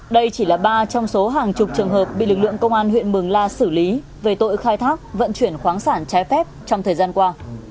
đây chỉ là ba trong số hàng chục trường hợp bị lực lượng công an huyện mường la xử lý về tội khai thác vận chuyển khoáng sản trái phép trong thời gian qua